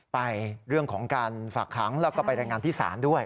ไปเรื่องของการฝากขังแล้วก็ไปรายงานที่ศาลด้วย